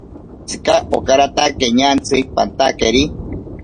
Tsika okaratake ñantsi pantakeri.